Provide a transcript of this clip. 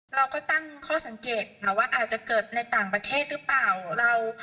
เราก็ตั้งข้อสังเกตนะว่าอาจจะเกิดในต่างประเทศหรือเปล่า